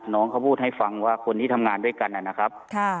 น้องเขาพูดให้ฟังว่าคนที่ทำงานด้วยกันนะครับ